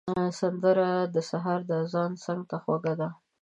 سندره د سهار د اذان څنګ ته خوږه ده